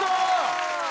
すごい。